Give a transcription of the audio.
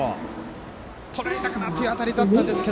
とらえたかな？という当たりでしたが。